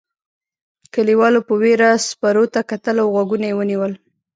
کليوالو په وېره سپرو ته کتل او غوږونه یې ونیول.